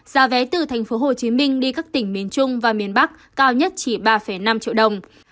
giá vé từ tp hcm đi các tỉnh miền trung và miền bắc cao nhất chỉ ba năm triệu đồng